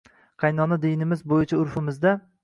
qaynona dinimiz bo‘yicha urfimizda